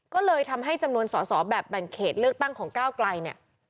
ก็เลยทำให้จำนวนสอสอแบบแบ่งเขตเลือกตั้งของก้าวไกลเนี่ย